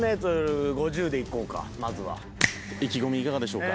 意気込みいかがでしょうか？